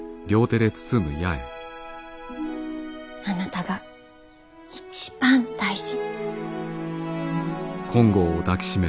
あなたが一番大事。